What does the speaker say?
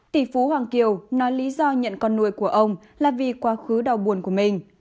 tỷ phú hoàng kiều nói lý do nhận con nuôi của ông là vì quá khứ đau buồn của mình